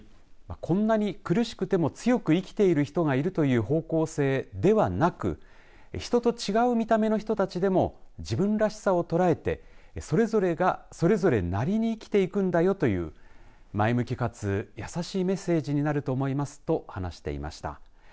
こんなに苦しくても強く生きている人がいるという方向性ではなく人と違う見た目の人たちでも自分らしさを捉えてそれぞれがそれぞれなりに生きていくんだよという前向きかつやさしいメッセージになると思いますと話していました。